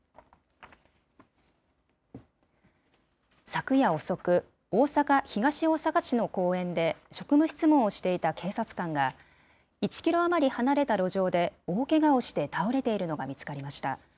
昨夜遅く、大阪・東大阪市の公園で、職務質問をしていた警察官が、１キロ余り離れた路上で大けがをして倒れているのが見つかりました。